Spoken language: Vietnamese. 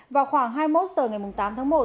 vào khoảng hai mươi một h ngày tám tháng một